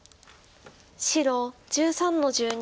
白１３の十二。